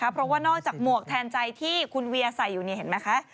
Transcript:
เพราะว่านอกจากหมวกแทนใจที่คุณเวียใส่อยู่นี่เห็นไหมคะ